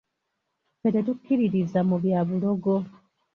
Ffe tetukkiririza mu bya bulogo.